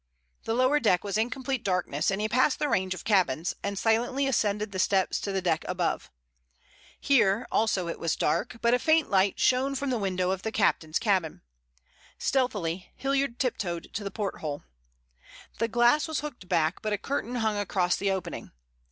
The lower deck was in complete darkness, and he passed the range of cabins and silently ascended the steps to the deck above. Here also it was dark, but a faint light shone from the window of the captain's cabin. Stealthily Hilliard tiptoed to the porthole. The glass was hooked back, but a curtain hung across the opening.